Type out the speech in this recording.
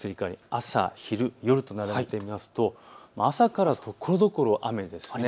朝、昼、夜と並べてみると、朝からところどころ雨です。